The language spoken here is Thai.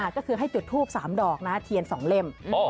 ก็คือให้จุดทูปสามดอกเทียนสองเล่ม